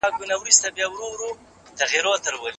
ناروغ ماشوم ته باید ژر تر ژره پاملرنه وشي.